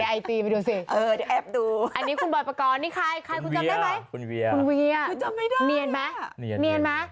อันนี้คุณบอยประกอร์นนี่ใคร